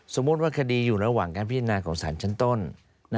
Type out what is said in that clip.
สมมุติว่าคดีอยู่ระหว่างการพิจารณาของสารชั้นต้น